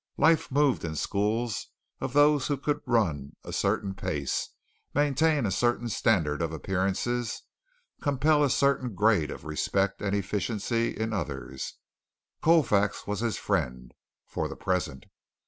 Life moved in schools of those who could run a certain pace, maintain a certain standard of appearances, compel a certain grade of respect and efficiency in others. Colfax was his friend for the present.